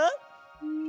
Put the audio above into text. うん。